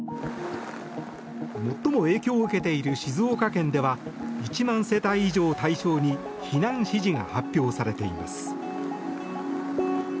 最も影響を受けている静岡県では１万世帯以上を対象に避難指示が発表されています。